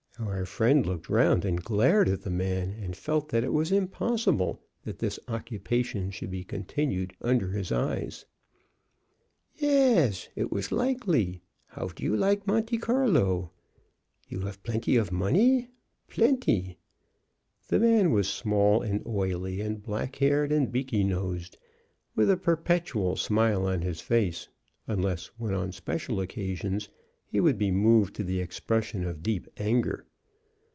Our friend looked round and glared at the man, and felt that it was impossible that this occupation should be continued under his eyes. "Yesh; it was likely. How do you like Monte Carlo? You have plenty of money plenty!" The man was small, and oily, and black haired, and beaky nosed, with a perpetual smile on his face, unless when on special occasions he would be moved to the expression of deep anger.